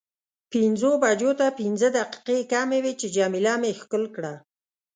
پنځو بجو ته پنځه دقیقې کمې وې چې جميله مې ښکل کړه.